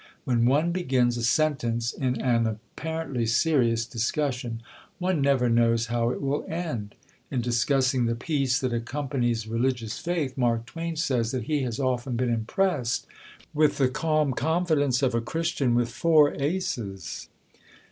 When one begins a sentence, in an apparently serious discussion, one never knows how it will end. In discussing the peace that accompanies religious faith, Mark Twain says that he has often been impressed with the calm confidence of a Christian with four aces.